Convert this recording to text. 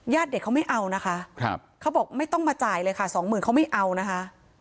เด็กเขาไม่เอานะคะเขาบอกไม่ต้องมาจ่ายเลยค่ะสองหมื่นเขาไม่เอานะคะ